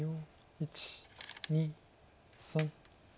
１２３。